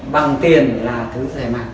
bằng tiền là thứ rẻ mạng